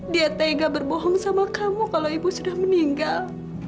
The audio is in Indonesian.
dia tega berbohong sama kamu kalau ibu sudah meninggal